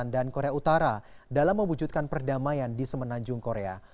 dan korea utara dalam mewujudkan perdamaian di semenanjung korea